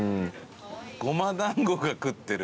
ごま団子が食ってる。